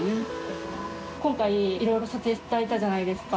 今回いろいろ撮影したじゃないですか。